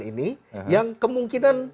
ini yang kemungkinan